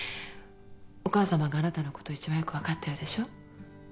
お母さまがあなたのこと一番よく分かってるでしょ。